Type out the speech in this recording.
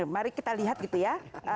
mari kita lihat gitu ya